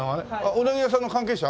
ウナギ屋さんの関係者？